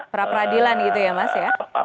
pra peradilan gitu ya mas ya